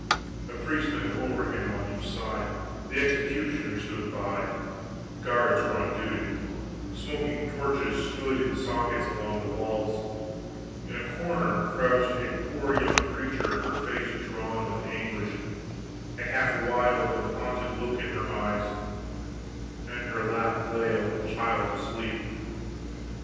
A priest bent over him on each side; the executioner stood by; guards were on duty; smoking torches stood in sockets along the walls; in a corner crouched a poor young creature, her face drawn with anguish, a half wild and hunted look in her eyes, and in her lap lay a little child asleep.